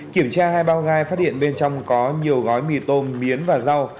kiểm tra hai bao gai phát hiện bên trong có nhiều gói mì tôm miến và rau